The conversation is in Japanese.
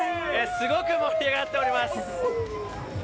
すごく盛り上がっております。